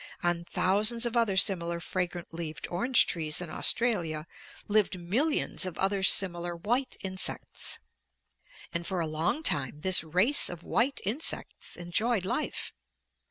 On thousands of other similar fragrant leaved orange trees in Australia lived millions of other similar white insects. And for a long time this race of white insects enjoyed life.